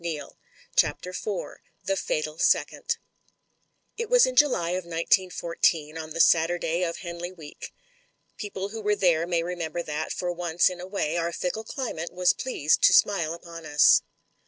Good bye. CHAPTER IV THE FATAL SECOND IT was in July of 1914— on the Saturday of Henley Week. People who were there may remember that, for once in a way, our fickle climate was pleased to smile upon us.